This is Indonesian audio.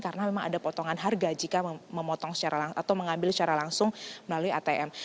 karena memang ada potongan harga jika memotong secara atau mengambil secara langsung melalui atm